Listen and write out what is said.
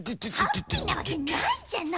ハッピーなわけないじゃないの！